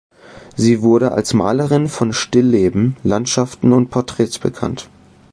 Sie wurde als Malerin von Stillleben, Landschaften und Porträts bekannt.